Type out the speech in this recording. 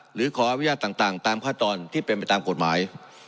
หรือขอบรรยายนให้ต่างตามข้าทรวจที่เป็นไปตามกฎหมาย